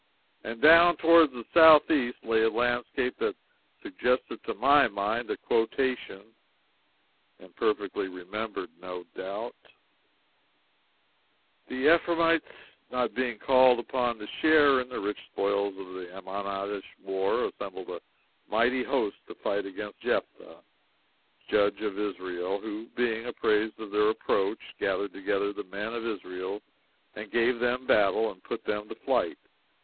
And down toward the southeast lay a landscape that suggested to my mind a quotation (imperfectly remembered, no doubt:) "The Ephraimites, not being called upon to share in the rich spoils of the Ammonitish war, assembled a mighty host to fight against Jeptha, Judge of Israel; who, being apprised of their approach, gathered together the men of Israel and gave them battle and put them to flight.